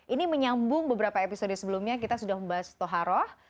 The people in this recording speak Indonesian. ini menyambung beberapa episode sebelumnya kita sudah membahas toharoh